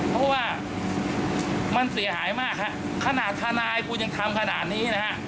เพราะว่ามันเสียหายมากฮะขนาดทนายกูยังทำขนาดนี้นะฮะ